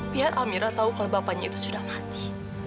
biar amirah tahu kalau bapanya itu sudah mati